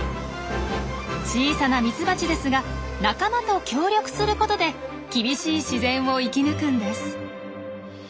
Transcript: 小さなミツバチですが仲間と協力することで厳しい自然を生き抜くんです。